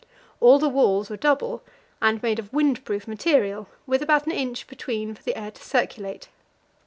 Ail the walls were double and were made of windproof material, with about an inch between for the air to circulate.